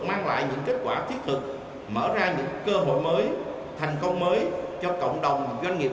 mang lại những kết quả thiết thực mở ra những cơ hội mới thành công mới cho cộng đồng doanh nghiệp